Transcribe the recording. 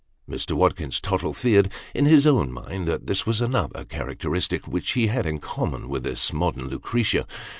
Mr. Watkins Tottle feared, in his own mind, that this was another characteristic which he had in common with this modern Lucretia.